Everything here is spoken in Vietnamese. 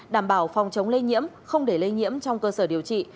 đảm bảo phòng chống lây nhiễm không để lây nhiễm trong cơ sở điều trị